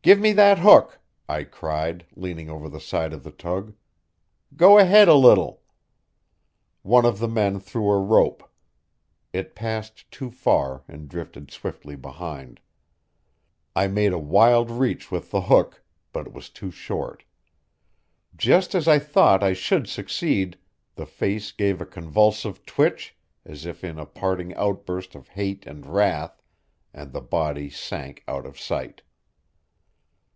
"Give me that hook!" I cried, leaning over the side of the tug. "Go ahead a little." One of the men threw a rope. It passed too far, and drifted swiftly behind. I made a wild reach with the hook, but it was too short. Just as I thought I should succeed, the face gave a convulsive twitch, as if in a parting outburst of hate and wrath, and the body sank out of sight.